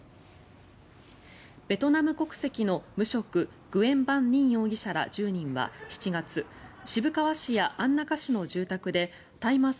ベトナム国籍の無職グエン・バン・ニン容疑者ら１０人は７月渋川市や安中市の住宅で大麻草